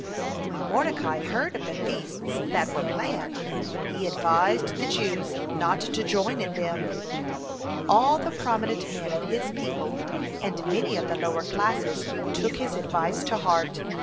When Mordecai heard of the feasts that were planned, he advised the Jews not to join in them. (15) All the prominent men of his people and many of the lower classes took his advice to heart.